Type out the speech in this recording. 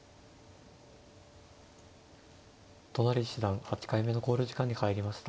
都成七段８回目の考慮時間に入りました。